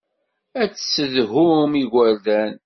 Ad tessedhum igerdan.